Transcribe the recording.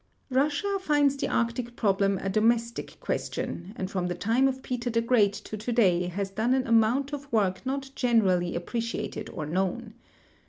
Russia finds the Arctic problem a domestic ([uestion, and from the time of Peter tlie Great to today has done an amount of Avork not generally ai)preciated or known.